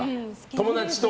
友達と。